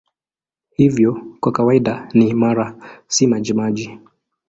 Hivyo kwa kawaida ni imara, si majimaji.